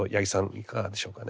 いかがでしょうかね。